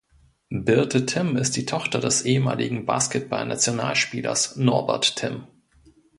Birte Thimm ist die Tochter des ehemaligen Basketball-Nationalspielers Norbert Thimm.